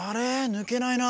ぬけないな。